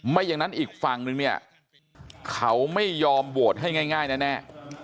ไม่อย่างนั้นอีกฝั่งนึงเนี่ยเขาไม่ยอมโหวตให้ง่ายแน่